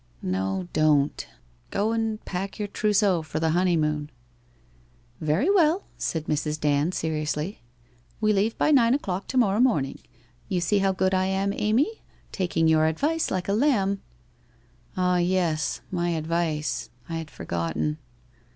* Xo, don't. Go and pack your trousseau for the honeymoon! '' Very well,' said Mrs. Dand seriously. ' We leave by the nine o'clock to morrow morning. You see how good I am. Amy. Taking your advice like a lamb! ' 'Ah, yes, my advice] I had forgotten.